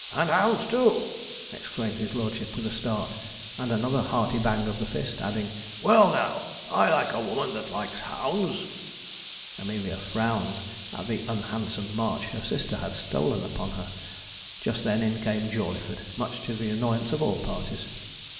'And hounds, too!' exclaimed his lordship, with a start, and another hearty bang of the fist, adding, 'well, now, I like a woman that likes hounds.' Amelia frowned at the unhandsome march her sister had stolen upon her. Just then in came Jawleyford, much to the annoyance of all parties.